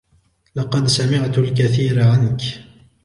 لقد سمعت الكثير عنك